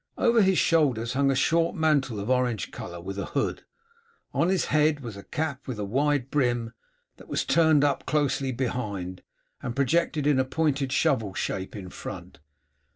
Over his shoulders hung a short mantle of orange colour with a hood. On his head was a cap with a wide brim that was turned up closely behind, and projected in a pointed shovel shape in front.